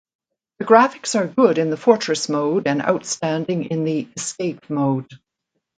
The graphics are good in the "Fortress" mode and outstanding in the "Escape" mode.